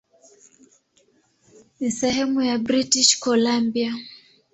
Ni sehemu ya British Columbia.